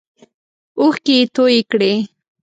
اوښکې یې تویی کړې.